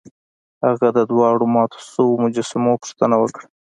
هغه د دواړو ماتو شویو مجسمو پوښتنه وکړه.